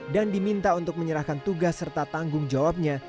dan diminta untuk menyerahkan tugas serta tanggung jawabnya